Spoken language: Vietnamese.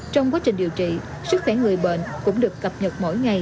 trong quá trình điều trị sức khỏe người bệnh cũng được cập nhật mỗi ngày